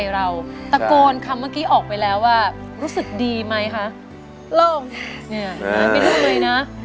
การเงินพี่ไปนะ